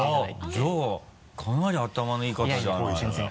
じゃあかなり頭のいい方じゃないのよ。